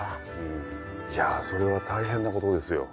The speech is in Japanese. いやそれは大変なことですよ。